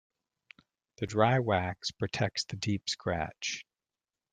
The dry wax protects the deep scratch.